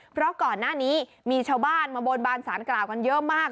เพราะก่อนหน้านี้มีชาวบ้านมาบนบานสารกล่าวกันเยอะมาก